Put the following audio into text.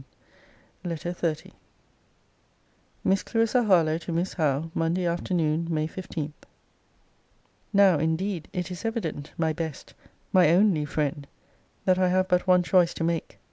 LETTER XXX MISS CLARISSA HARLOWE, TO MISS HOWE MONDAY AFTERNOON, MAY 15. Now indeed it is evident, my best, my only friend, that I have but one choice to make.